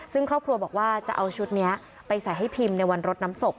ซึ่งครอบครัวบอกว่าจะเอาชุดนี้ไปใส่ให้พิมพ์ในวันรดน้ำศพ